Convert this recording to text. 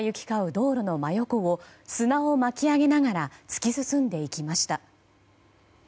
道路の真横を砂を巻き上げながら突き進んでいきました。